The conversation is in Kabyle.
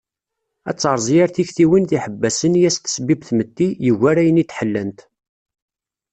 Ad terẓ yir tiktiwin d yiḥebbasen i as-tesbib tmetti yugar ayen i d-ḥellant.